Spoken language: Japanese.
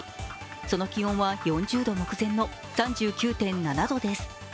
その気温は４０度目前の３９．７度です。